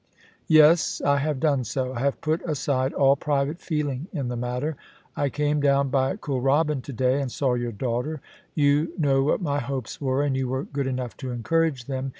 *Yes, I have done so. I have put aside all private feeling in the matter. I came down by Kooralbyn to day, and saw your daughter. You know what my hopes were, and you were good enough to encourage them.